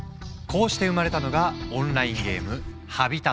こうして生まれたのがオンラインゲーム「ＨＡＢＩＴＡＴ」。